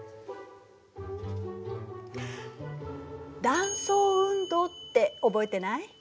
「断層運動」って覚えてない？